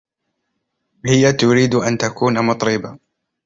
هي تريد أن تكون مطربة.